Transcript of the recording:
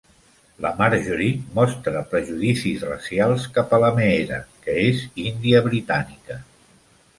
La Marjorie mostra prejudicis racials cap a la Meera, que és índia britànica.